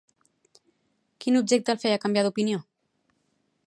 Quin objecte el feia canviar d'opinió?